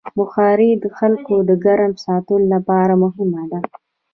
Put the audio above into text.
بخاري د خلکو د ګرم ساتلو لپاره مهمه ده.